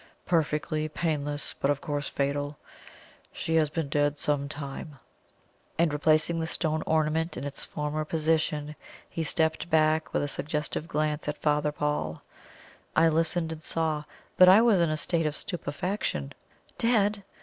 Perfectly painless, but of course fatal. She has been dead some time." And, replacing the stone ornament in its former position, he stepped back with a suggestive glance at Father Paul. I listened and saw but I was in a state of stupefaction. Dead?